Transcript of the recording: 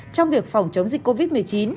trong việc phòng chống dịch covid một mươi chín